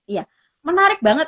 iya menarik banget